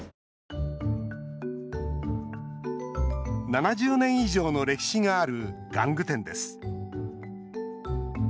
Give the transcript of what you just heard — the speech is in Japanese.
７０年以上の歴史がある玩具店です。